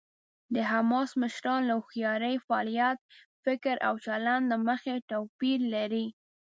د حماس مشران له هوښیارۍ، فعالیت، فکر او چلند له مخې توپیر لري.